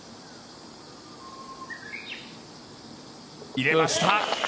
入れました。